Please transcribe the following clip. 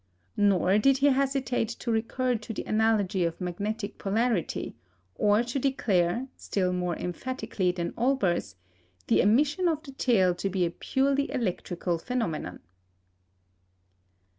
Nor did he hesitate to recur to the analogy of magnetic polarity, or to declare, still more emphatically than Olbers, "the emission of the tail to be a purely electrical phenomenon."